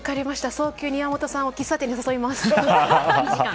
早急に岩本さんを喫茶店に誘います。